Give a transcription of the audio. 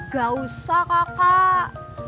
gak usah kakak